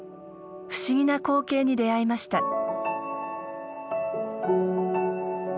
不思議な光景に出会いました。